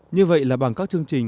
như vậy là bằng các chương trình